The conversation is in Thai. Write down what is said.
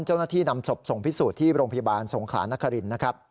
เจ้าหน้าที่นำศพส่งพิสูจน์ที่โรงพยาบาลสงขลานครินนะครับ